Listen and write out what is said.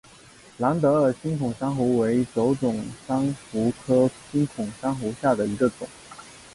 蓝德尔星孔珊瑚为轴孔珊瑚科星孔珊瑚下的一个种。